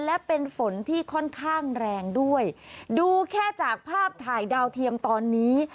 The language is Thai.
และเป็นฝนที่ค่อนข้างแรงด้วยดูแค่จากภาพถ่ายดาวเทียมตอนนี้